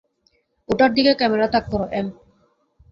ওটার দিকে ক্যামেরা তাক করো, এম।